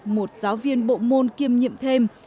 một giáo viên bộ môn kiêm nhiệm thêm